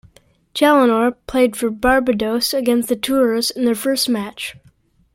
Challenor played for Barbados against the tourists in their first match.